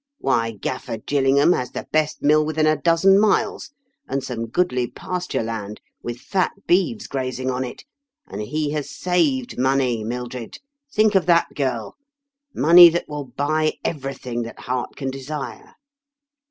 Why, GaflFer Gillingham has the best mill within a dozen miles, and some goodly pasture land, with fat beeves grazing on it; and he has saved money, Mildred — ^think of that, girl money that wiU buy eyerything that heart can, desire."